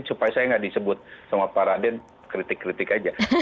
supaya saya tidak disebut sama para aden kritik kritik saja